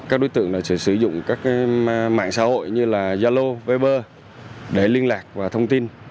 các đối tượng sử dụng các mạng xã hội như yalo weber để liên lạc và thông tin